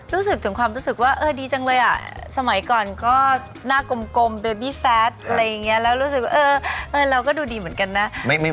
รู้สึกถึงความรู้สึกว่าเออดีจังเลยอ่ะสมัยก่อนก็หน้ากลมเบบี้แฟสอะไรอย่างนี้แล้วรู้สึกว่าเออเราก็ดูดีเหมือนกันนะ